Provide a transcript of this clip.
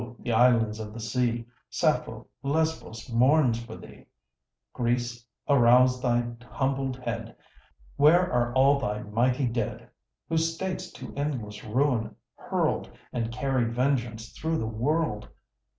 the islands of the sea Sappho, Lesbos mourns for thee: Greece, arouse thy humbled head, Where are all thy mighty dead, Who states to endless ruin hurl'd And carried vengeance through the world?